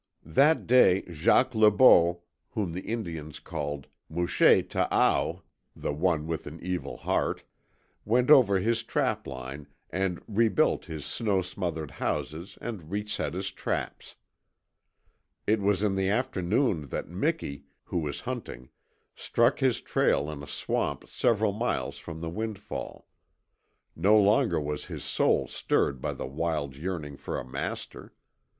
That day Jacques Le Beau whom the Indians called "Muchet ta aao" (the One with an Evil Heart) went over his trapline and rebuilt his snow smothered "houses" and re set his traps. It was in the afternoon that Miki, who was hunting, struck his trail in a swamp several miles from the windfall. No longer was his soul stirred by the wild yearning for a master.